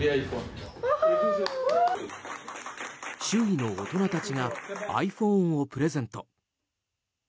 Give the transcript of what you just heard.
周囲の大人たちがｉＰｈｏｎｅをプレゼント。